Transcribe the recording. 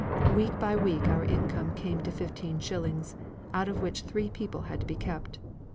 Week by week, our income came to fifteen shillings, out of which three people had to be kept.